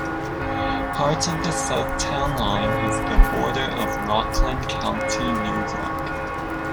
Part of the south town line is the border of Rockland County, New York.